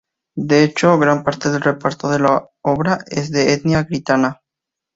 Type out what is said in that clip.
De hecho, gran parte del reparto de la obra es de etnia gitana.